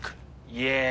イエーイ。